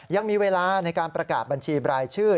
ยังมีเวลาในการประกาศบัญชีบรายชื่อ